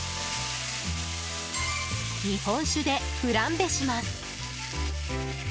日本酒でフランベします。